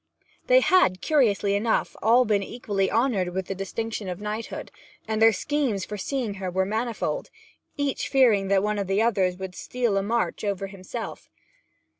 They had, curiously enough, all been equally honoured with the distinction of knighthood, and their schemes for seeing her were manifold, each fearing that one of the others would steal a march over himself.